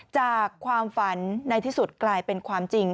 จากความฝันในที่สุดกลายเป็นความจริง